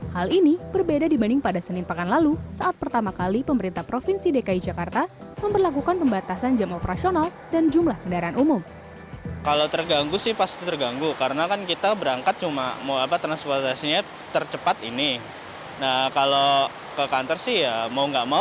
hal ini berbeda dibanding pada senin pekan lalu saat pertama kali pemerintah provinsi dki jakarta memperlakukan pembatasan jam operasional dan jumlah kendaraan umum